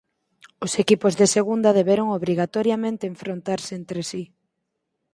Os equipos de Segunda deberon obrigatoriamente enfrontarse entre si.